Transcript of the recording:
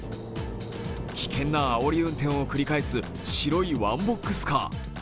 危険なあおり運転を繰り返す白いワンボックスカー。